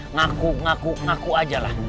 ngaku ngaku ngaku aja lah